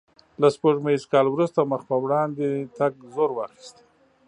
له سپوږمیز کال وروسته مخ په وړاندې تګ زور واخیست.